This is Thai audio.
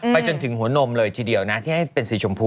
จนถึงหัวนมเลยทีเดียวนะที่ให้เป็นสีชมพู